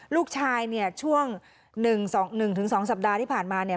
ลูกชายเนี่ยช่วง๑๒สัปดาห์ที่ผ่านมาเนี่ย